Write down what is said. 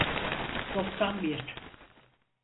Doksan bir.